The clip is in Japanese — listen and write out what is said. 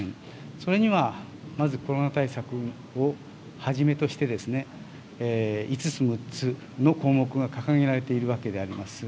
それにはまずコロナ対策をはじめとして、５つ、６つの項目が掲げられているわけであります。